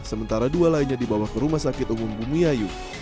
sementara dua lainnya dibawa ke rumah sakit umum bumiayu